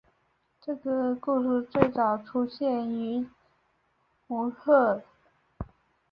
这个故事最早出现于史诗摩诃婆罗多。